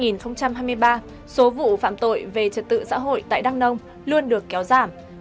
năm hai nghìn hai mươi ba số vụ phạm tội về trật tự xã hội tại đắk nông luôn được kéo giảm